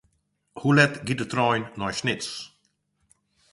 Hoe let giet de trein nei Snits?